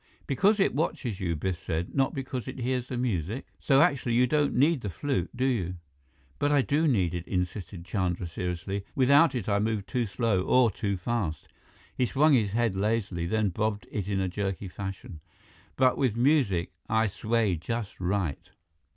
"Because it watches you," Biff said, "not because it hears the music? So actually, you don't need the flute, do you?" "But I do need it," insisted Chandra seriously. "Without it, I move too slow or too fast." He swung his head lazily, then bobbed it in jerky fashion. "But with music, I sway just right."